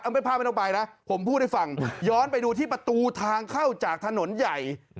ไม่พลาดไม่ต้องไปนะผมพูดให้ฟังย้อนไปดูที่ประตูทางเข้าจากถนนใหญ่